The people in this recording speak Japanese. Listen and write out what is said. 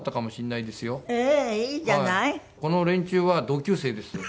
この連中は同級生ですよ。